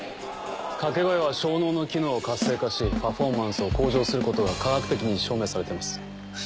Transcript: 掛け声は小脳の機能を活性化しパフォーマンスを向上することが科学的に証明されてます。